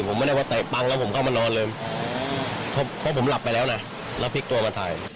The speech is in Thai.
ผมไม่ได้ว่าเตะปังแล้วผมเข้ามานอนเลยเพราะผมหลับไปแล้วนะแล้วพลิกตัวมาถ่าย